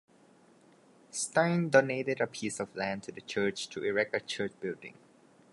Steyn donated a piece of land to the church to erect a church building.